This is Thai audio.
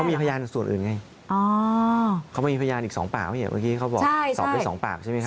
มีพยานส่วนอื่นไงเขามีพยานอีก๒ปากเมื่อกี้เขาบอกสอบได้สองปากใช่ไหมครับ